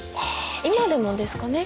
今でもですかね？